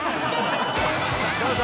どうぞ！